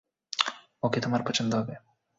ওকে তোমার পছন্দ হবে।